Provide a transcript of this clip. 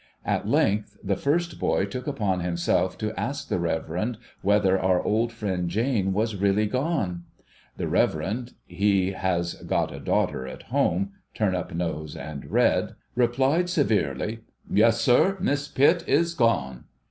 At length, the first hoy took upon himself to ask the Reverend whether our old friend Jane was really gone? The Reverend (he has got a daughter at home — turn up nose, and red) replied severely, ' Yes, sir. Miss Pitt is gone.'